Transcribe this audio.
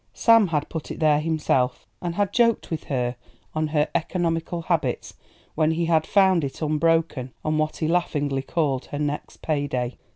Sam had put it there himself, and had joked with her on her economical habits when he had found it unbroken on what he laughingly called her next pay day.